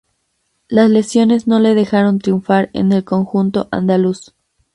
Las lesiones no le dejaron triunfar en el conjunto andaluz.